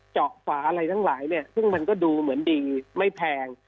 เจาะฝาอะไรทั้งหลายเนี่ยซึ่งมันก็ดูเหมือนดีไม่แพง